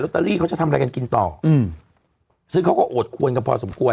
เตอรี่เขาจะทำอะไรกันกินต่ออืมซึ่งเขาก็โอดควรกันพอสมควร